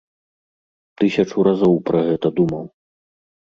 Тысячу разоў пра гэта думаў.